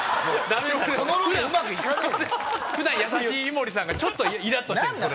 普段優しい井森さんがちょっとイラっとしてるんですよ。